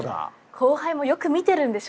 後輩もよく見てるんでしょうね。